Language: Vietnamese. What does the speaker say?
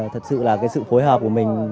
thật sự là sự phối hợp của mình